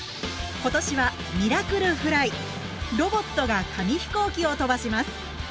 今年は「ミラクル☆フライ」ロボットが紙飛行機を飛ばします。